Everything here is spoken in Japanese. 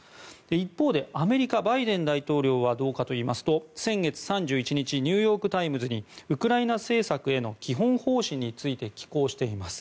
一方でアメリカバイデン大統領はどうかといいますと先月３１日ニューヨーク・タイムズにウクライナ政策への基本方針について寄稿しています。